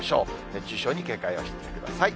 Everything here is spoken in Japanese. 熱中症に警戒をしてください。